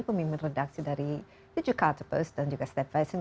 pemimpin redaksi dari the jakarta post dan juga step vizion